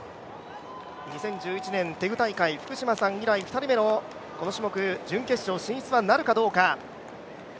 ２０１１年、テグ大会、福島さん以来のこの種目準決勝進出はなるかどうか。